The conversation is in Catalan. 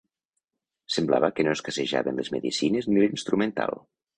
Semblava que no escassejaven les medecines ni l'instrumental